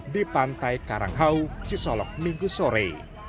di pantai karanghau cisolok minggu sore